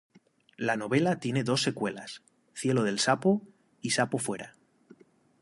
La novela tiene dos secuelas, "Cielo del Sapo" y "Sapo Fuera".